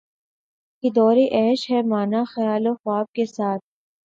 کہ دورِ عیش ہے مانا خیال و خواب کے ساتھ